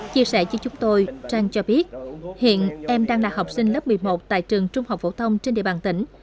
chia sẻ cho chúng tôi trang cho biết hiện em đang là học sinh lớp một mươi một tại trường trung học phổ thông trên địa bàn tỉnh